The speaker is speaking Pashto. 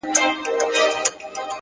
زغم د حکمت نښه ده!